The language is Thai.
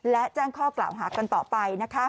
และแจ้งข้อกล่าวหากันต่อไป